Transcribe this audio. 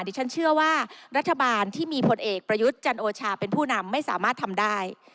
ดิฉันเชื่อว่ารัฐบาลที่มีผลเอกประยุทธ์จันโอชาเป็นผู้นำไม่สามารถทำได้